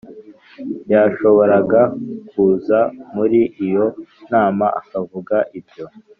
yashoboraga kuza muri iyo nama akavuga ibyo